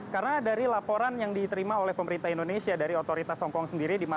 karena dari laporan yang diterima oleh pemerintah indonesia dari otoritas hongkong sendiri